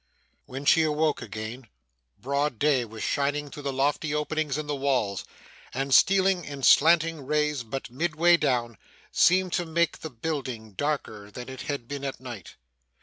When she awoke again, broad day was shining through the lofty openings in the walls, and, stealing in slanting rays but midway down, seemed to make the building darker than it had been at night.